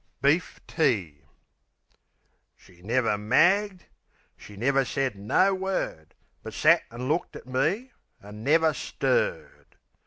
Beef Tea She never magged; she never said no word; But sat an' looked at me an' never stirred.